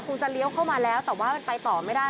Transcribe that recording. จะเลี้ยวเข้ามาแล้วแต่ว่ามันไปต่อไม่ได้